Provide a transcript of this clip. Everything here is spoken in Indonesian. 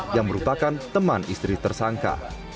yang merupakan teman istri tersangka